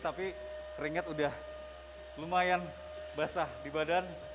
tapi keringet udah lumayan basah di badan